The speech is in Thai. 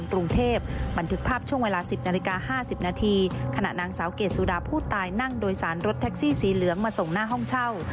ขณะนางสาวเกดสุดาผู้ตายนั่งโดยสารรถแท็กซี่สีเหลืองมาส่งหน้าห้องเช่า